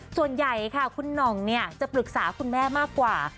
ส่วนใหญ่ค่ะคุณหน่องจะปรึกษาคุณแม่มากกว่า